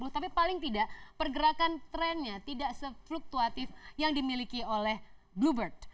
tapi paling tidak pergerakan trennya tidak se fluktuatif yang dimiliki oleh bluebird